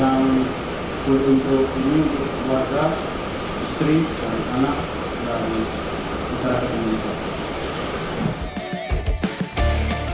dan yang gue untuk ini buat keluarga istri anak dan peserta timnas indonesia